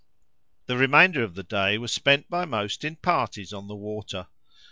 The remainder of the day was spent by most in parties on the water.